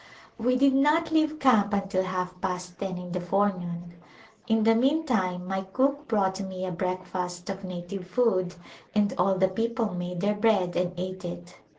We did not leave camp until half past ten in the forenoon. In the meantime my cook brought me a breakfast of native food, and all the people made their bread and ate it.